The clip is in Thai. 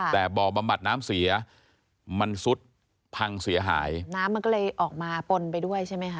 แต่บ่อบำบัดน้ำเสียมันซุดพังเสียหายน้ำมันก็เลยออกมาปนไปด้วยใช่ไหมคะ